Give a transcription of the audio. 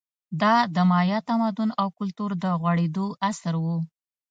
دا د مایا تمدن او کلتور د غوړېدو عصر و